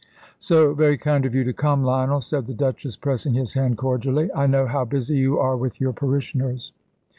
"So very kind of you to come, Lionel," said the Duchess, pressing his hand cordially. "I know how busy you are with your parishioners."